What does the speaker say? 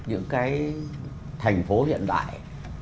những cái thành phố hiện đại